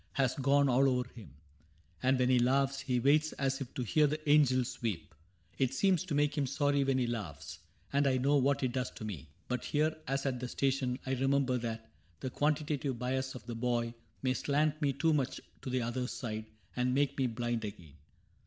Has gone all over him. And when he laughs. He waits as if to hear the angels weep : CAPTAIN CRAIG 51 It seems to make him sorry when he laughs, And I know what it does to me. But here As at the station — I remember that — The quantitative bias of the boy May slant me too much to the other side And make me blind again.